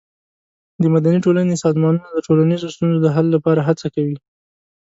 د مدني ټولنې سازمانونه د ټولنیزو ستونزو د حل لپاره هڅه کوي.